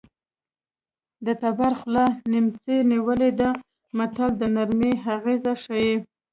د تبر خوله نیمڅي نیولې ده متل د نرمۍ اغېز ښيي